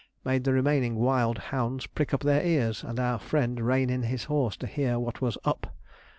made the remaining wild hounds prick up their ears, and our friend rein in his horse, to hear what was 'up.'